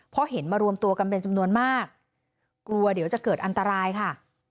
เพราะเห็นมารวมตัวกันเป็นจำนวนมากกลัวเดี๋ยวจะเกิดอันตรายค่ะ